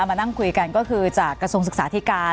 มานั่งคุยกันก็คือจากกระทรวงศึกษาธิการ